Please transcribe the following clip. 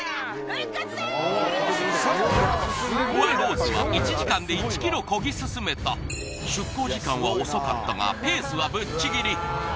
フワローズは１時間で１キロこぎすすめた出航時間は遅かったがペースはぶっちぎり！